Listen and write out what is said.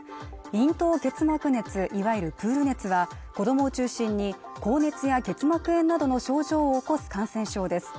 咽頭結膜熱いわゆるプール熱は子どもを中心に高熱や結膜炎などの症状を起こす感染症です